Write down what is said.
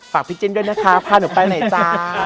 ฝากพี่จิ้นด้วยนะคะพาหนูไปหน่อยจ้า